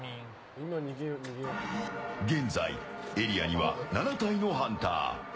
現在、エリアには７体のハンター。